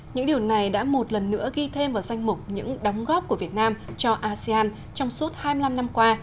những điều này đã một lần nữa ghi thêm vào danh mục những đóng góp của việt nam cho asean trong suốt hai mươi năm năm qua